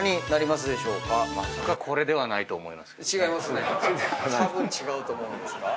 まさかこれではないと思いますけどね。